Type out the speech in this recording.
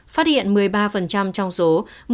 phát hiện một mươi ba trong số